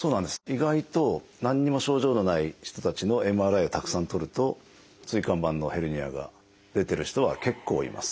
意外と何にも症状のない人たちのＭＲＩをたくさん撮ると椎間板のヘルニアが出てる人は結構います。